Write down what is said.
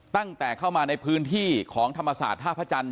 ตั้งแต่เข้ามาในพื้นที่ของธรรมศาสตร์ท่าพระจันท